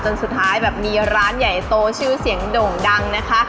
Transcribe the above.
สุดท้ายแบบมีร้านใหญ่โตชื่อเสียงโด่งดังนะคะ